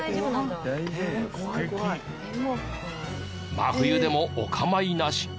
真冬でもお構いなし。